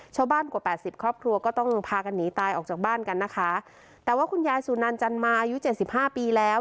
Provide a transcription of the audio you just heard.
ชาวบ้านกว่าแปดสิบครอบครัวก็ต้องพากันหนีตายออกจากบ้านกันนะคะแต่ว่าคุณยายสุนันจันมาอายุเจ็ดสิบห้าปีแล้ว